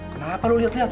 kenapa lu liat liat